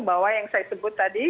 bahwa yang saya sebut tadi